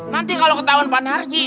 nanti kalau ketahuan pan haji